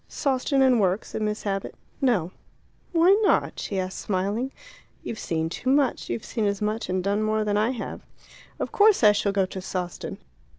"Sawston and work," said Miss Abbott. "No." "Why not?" she asked, smiling. "You've seen too much. You've seen as much and done more than I have." "But it's so different. Of course I shall go to Sawston.